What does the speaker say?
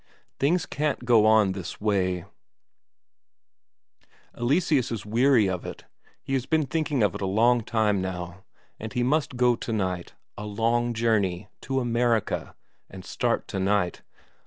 Things can't go on this way; Eleseus is weary of it; has been thinking of it a long time now, and he must go tonight; a long journey, to America, and start tonight.